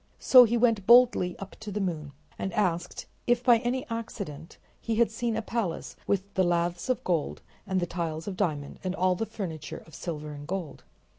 So he went boldly up to the moon, and asked if by any accident he had seen a palace with the laths of gold and the tiles of diamond and all the furniture of silver and gold.